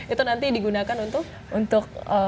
itu nanti digunakan untuk